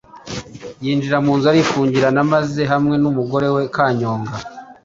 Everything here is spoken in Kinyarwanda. yinjira mu nzu arifungirana maze hamwe n’umugore we Kanyonga,